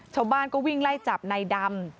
ชาวบ้านก็วิ่งไล่จับนายดำ